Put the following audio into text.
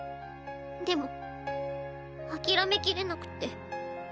でも諦めきれなくって。